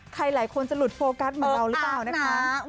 หลายคนจะหลุดโฟกัสเหมือนเราหรือเปล่านะคะ